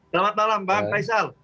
selamat malam bang faisal